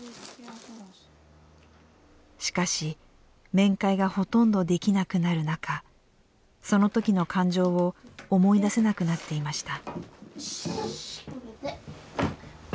しかし面会がほとんどできなくなる中その時の感情を思い出せなくなっていました。